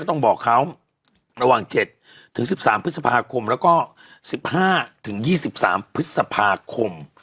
ต้องบอกเขาระหว่าง๗๑๓พฤษภาคมแล้วก็๑๕๒๓พฤษภาคม